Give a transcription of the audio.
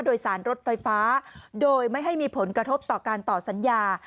โดยสารรถไฟฟ้าโดยไม่ให้มีผลกระทบต่อการต่อสัญญา